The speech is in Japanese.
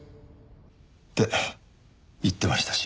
って言ってましたし。